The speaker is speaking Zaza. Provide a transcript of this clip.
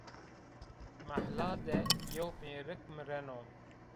Mehla de yew mêrik mireno